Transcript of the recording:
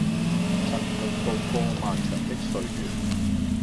曾共渡過漫長的歲月